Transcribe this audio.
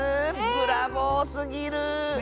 ブラボーすぎる！